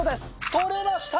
撮れました！